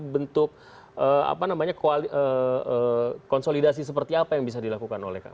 bentuk konsolidasi seperti apa yang bisa dilakukan oleh